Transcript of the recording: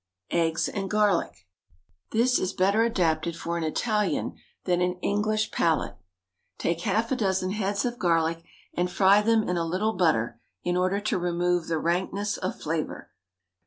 EGGS AND GARLIC. This is better adapted for an Italian than an English palate. Take half a dozen heads of garlic and fry them in a little butter in order to remove the rankness of flavour.